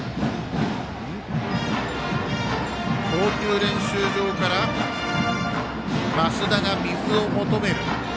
投球練習場から増田が水を求める。